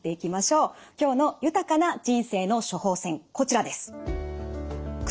今日の豊かな人生の処方せんこちらです。